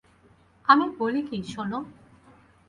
আমি বলি কি শোনো।